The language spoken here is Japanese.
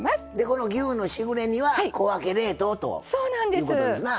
この牛のしぐれ煮は小分け冷凍ということですな。